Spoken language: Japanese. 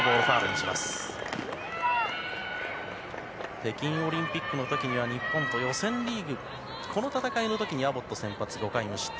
北京オリンピックの時には日本と予選リーグこの戦いの時にアボット先発、５回の失点。